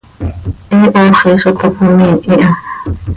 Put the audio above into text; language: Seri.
He hooxi zo toc cöimiih iha.